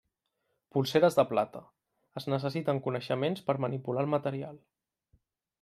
Polseres de plata: es necessiten coneixements per manipular el material.